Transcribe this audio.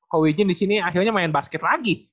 ko wijin di sini akhirnya main basket lagi